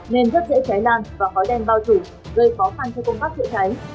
nên rất dễ cháy lan và khói đen bao trùm gây khó khăn cho công tác chữa cháy